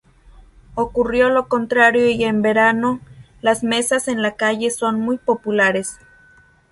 Ocurrió lo contrario y en verano las mesas en la calle son muy populares.